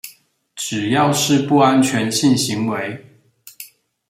只要是不安全性行為